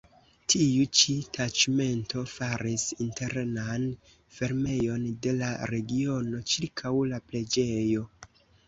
Tiu ĉi taĉmento faris internan fermejon de la regiono ĉirkaŭ la preĝejo.